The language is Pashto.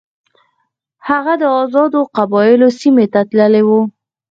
هغه د آزادو قبایلو سیمې ته تللی وو.